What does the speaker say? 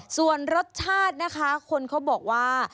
ส่วนรสชาตินะคะคนเขาบอกว่า